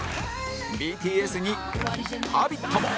ＢＴＳ に『Ｈａｂｉｔ』も